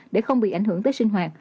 để không bị ảnh hưởng tới sinh hoạt